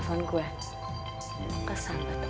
kalau enggak kata kata reinventois